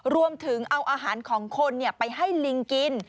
รวมถึงเอาอาหารของคนไปให้ลิงกิน